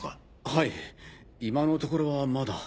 はい今のところはまだ。